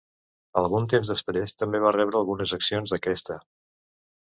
Algun temps després també va rebre algunes accions d'aquesta.